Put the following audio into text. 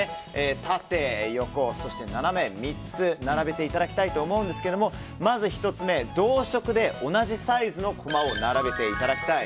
縦・横・斜め３つ並べていただきたいと思うんですけれどもまず１つ目、同色で同じサイズのコマを並べていただきたい。